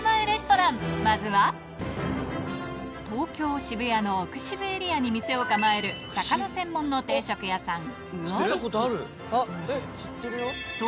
まずは東京・渋谷の奥渋エリアに店を構える魚専門の定食屋さん